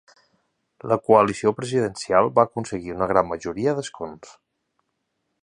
La coalició presidencial va aconseguir una gran majoria d'escons.